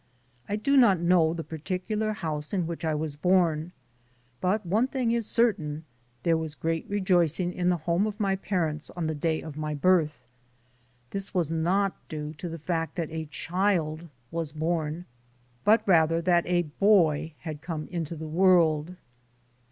I do not know the particular house in which I was born, but one thing is certain : there was great rejoicing in the home of my parents on the day of my birth. This was not due to the fact that a child was born, but rather that a boy had come into the world.